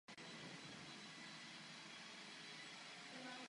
Jako to on udělal jemu.